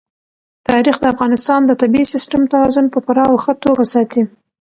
تاریخ د افغانستان د طبعي سیسټم توازن په پوره او ښه توګه ساتي.